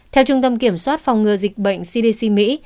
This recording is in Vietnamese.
theo trung tâm kiểm soát phòng ngừa dịch bệnh cdc mỹ